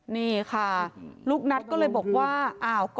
นี่ค่ะลูกนัทก็เลยบอกว่า